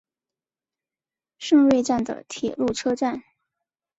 胜瑞站的铁路车站。